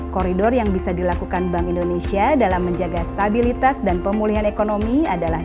koridor yang bisa dilakukan bank indonesia dalam menjaga stabilitas dan pemulihan ekonomi adalah